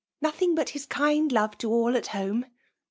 Nothing bat his Idnd love to all at hmne."